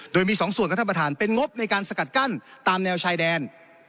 โดยมีสองส่วนครับท่านประธานเป็นงบในการสกัดกั้นตามแนวชายแดน